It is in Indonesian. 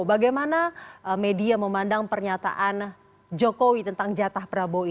bagaimana media memandang pernyataan jokowi tentang jatah prabowo